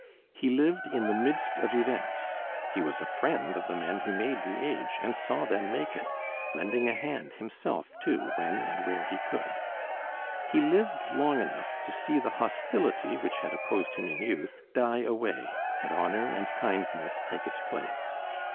He lived in the midst of events; he was a friend of the men who made the age, and saw them make it, lending a hand himself too when and where he could. He lived long enough to see the hostility which had opposed him in youth die away, and honor and kindness take its place.